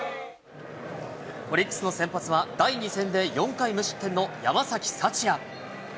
オリックスの先発は第２戦で４回無失点の山崎福也。